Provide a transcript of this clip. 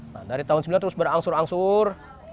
nah dari tahun sembilan terus berangsur angsur